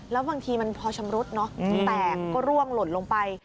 แล้วบางทีมันพอชำรุดเนอะแตกก็ร่วงหล่นลงไป